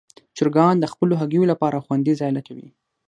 چرګان د خپلو هګیو لپاره خوندي ځای لټوي.